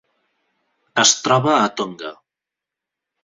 Es troba a Tonga.